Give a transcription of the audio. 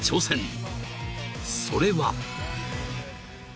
［それは］